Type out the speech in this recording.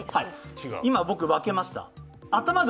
今、僕分けました。